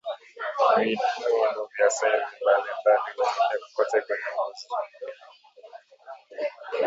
Vinundu vya saizi mbalimbali hutokea kokote kwenye ngozi